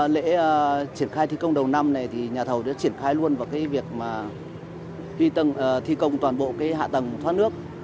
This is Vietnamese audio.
lễ triển khai thi công đầu năm này nhà thầu đã triển khai luôn vào việc thi công toàn bộ hạ tầng thoát nước